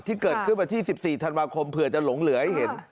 ที่เกิดขึ้นวันที่๑๔ธันวาคมเผื่อจะหลงเหลือให้เห็น